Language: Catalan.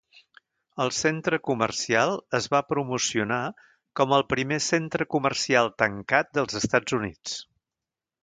El centre comercial es va promocionar com el primer centre comercial tancat dels Estats Units.